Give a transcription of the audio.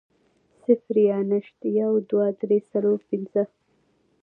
صفر يا نشت, يو, دوه, درې, څلور, پنځه